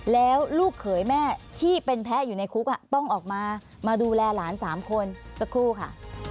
แล้วลูกเขยแม่ที่เป็นแพ้อยู่ในคุกต้องออกมามาดูแลหลาน๓คนสักครู่ค่ะ